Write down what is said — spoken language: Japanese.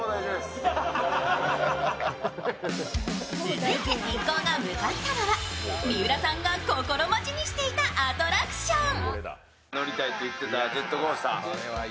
続いて一行が向かったのは三浦さんが心待ちにしていたアトラクション。